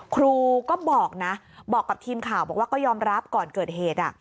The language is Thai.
ครูก็บอกนะบอกกับทีมข่าวบอกว่าก็ยอมรับก่อนเกิดเหตุ